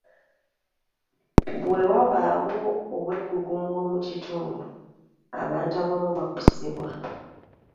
Bwe wabaawo obwegugungo mu kitundu, abantu abamu bakosebwa.